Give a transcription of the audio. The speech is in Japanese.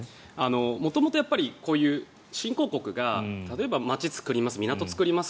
元々こういう新興国が街を作ります、港を作ります